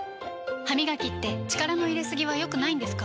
歯みがきって力の入れすぎは良くないんですか？